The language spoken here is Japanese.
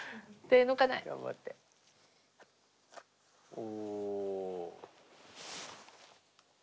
お。